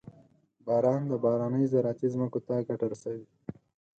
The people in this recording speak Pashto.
• باران د بارانۍ زراعتي ځمکو ته ګټه رسوي.